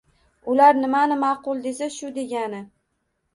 Ular nimani ma‘qul desa – shu degani.